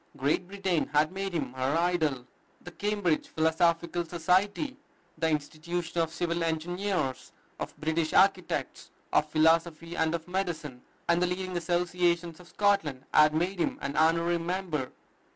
Great Britain had made him her idol. The Cambridge Philosophical Society, the Institution of Civil Engineers, of British Architects, of Philosophy and of Medicine, and the leading associations of Scotland had made him an honorary member.